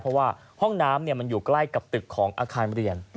เพราะว่าห้องน้ำมันอยู่ใกล้กับตึกของอาคารเรียน